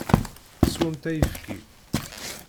Swemt ayefki!